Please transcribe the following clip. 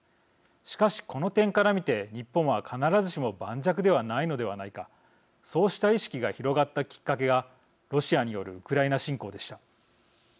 しかし、この点から見て日本は必ずしも盤石ではないのではないかそうした意識が広がったきっかけがロシアによるウクライナ侵攻でした。